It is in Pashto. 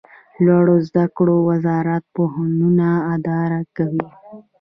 لوړو زده کړو وزارت پوهنتونونه اداره کوي